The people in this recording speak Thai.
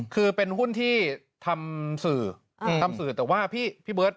คือเป็นหุ้นที่ทำสื่อทำสื่อแต่ว่าพี่เบิร์ต